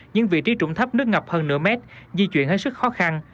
những vị trí trụng thấp nước ngập hơn nửa mét di chuyển hết sức khó khăn